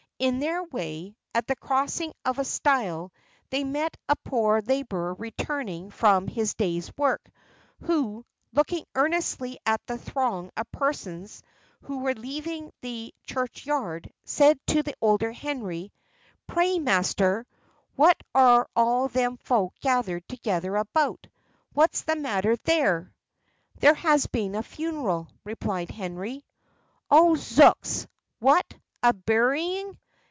In their way, at the crossing of a stile, they met a poor labourer returning from his day's work, who, looking earnestly at the throng of persons who were leaving the churchyard, said to the elder Henry "Pray, master, what are all them folk gathered together about? What's the matter there?" "There has been a funeral," replied Henry. "Oh, zooks! what! a burying!